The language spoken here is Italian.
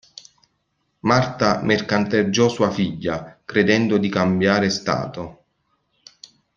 Marta mercanteggiò sua figlia, credendo di cambiare stato.